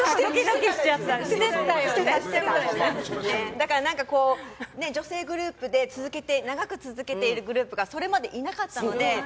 だから女性グループで長く続けているグループがそれまでいなかったので。